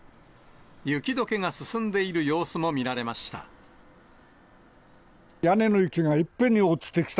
雪どけが進んでいる様子も見られました。